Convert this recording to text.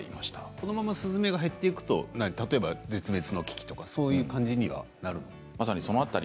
このままスズメが減っていくと例えば絶滅の危機とか、そういう感じになるの？